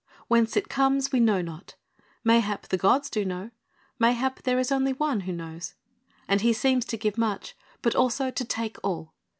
Whence it comes we know not; mayhap the gods do know ... mayhap there is only one who knows ... and he seems to give much, but also to take all....